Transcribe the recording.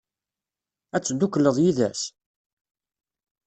Ad teddukleḍ yid-s?